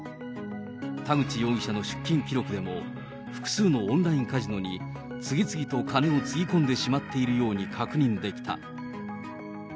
田口容疑者の出金記録でも、複数のオンラインカジノに次々と金をつぎ込んでしまっているように確認できた。